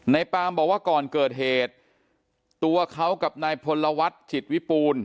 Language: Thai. ปามบอกว่าก่อนเกิดเหตุตัวเขากับนายพลวัฒน์จิตวิปูน